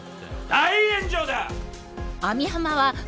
大炎上だ！